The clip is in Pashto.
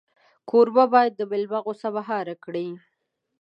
کوربه باید د مېلمه غوسه مهار کړي.